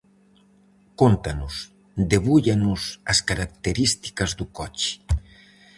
Cóntanos, debúllanos as características do coche.